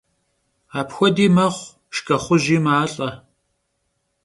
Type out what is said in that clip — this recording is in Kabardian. Apxuedi mexhu, şşç'exhuji malh'e.